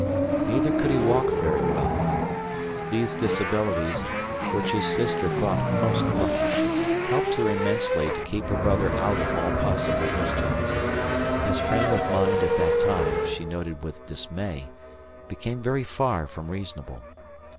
Neither could he walk very well. These disabilities, which his sister thought most lucky, helped her immensely to keep her brother out of all possible mischief. His frame of mind at that time, she noted with dismay, became very far from reasonable.